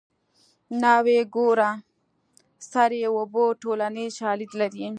ناوې ګوره سر یې اوبه ټولنیز شالید لري